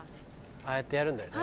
ああやってやるんだよね。